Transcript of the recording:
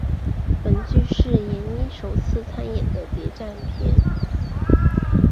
本剧是闫妮首次参演的谍战剧。